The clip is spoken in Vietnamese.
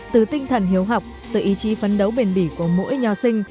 từ tinh thần hiếu học từ ý chí phấn đấu bền bỉ của mỗi nho sinh